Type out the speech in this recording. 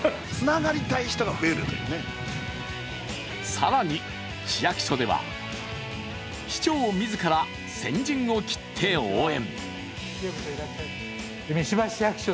更に市役所では、市長自ら先陣を切って応援。